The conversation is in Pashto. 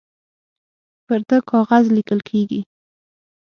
پر ده کاغذ لیکل کیږي